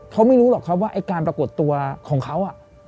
เขาไม่รู้หรอกครับว่าไอ้การปรากฏตัวของเขา